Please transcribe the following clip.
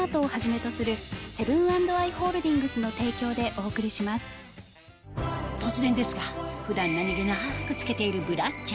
お店では突然ですが普段何気なく着けているブラジャー